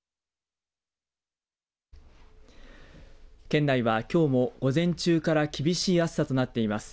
県内は、きょうも午前中から厳しい暑さとなっています。